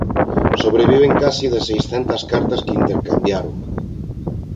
Sobreviven case de seiscentas cartas que intercambiaron.